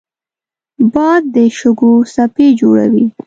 باد د شګو څپې جوړوي